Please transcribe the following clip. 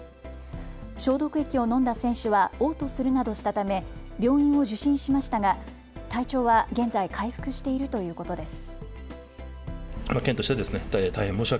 消毒液を飲んだ選手はおう吐するなどしたため病院を受診しましたが体調は現在、回復しているということです。